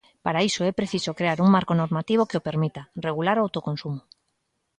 Para iso é preciso crear un marco normativo que o permita, regular o autoconsumo.